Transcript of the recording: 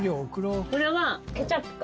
これはケチャップ。